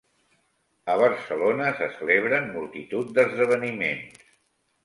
A Barcelona, se celebren multitud d'esdeveniments